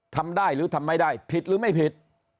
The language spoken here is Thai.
ทำได้หรือทำไม่ได้ผิดหรือไม่ผิด